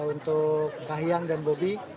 untuk kayang dan bobi